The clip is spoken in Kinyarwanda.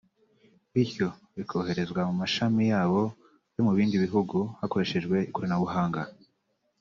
bityo bikoherezwa mu mashami yabo yo mu bindi bihugu hakoreshejwe ikoranabuhanga